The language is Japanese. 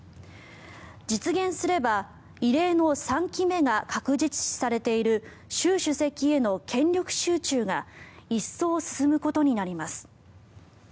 実現すれば異例の３期目が確実視されている習主席への権力集中が一層進むことになります。